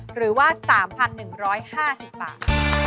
หรือว่า๓๑๕๐บาท